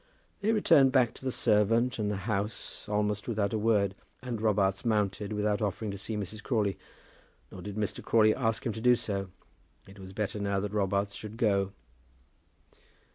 They returned back to the servant and the house almost without a word, and Robarts mounted without offering to see Mrs. Crawley. Nor did Mr. Crawley ask him to do so. It was better now that Robarts should go.